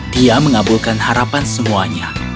dia mengabulkan harapan semuanya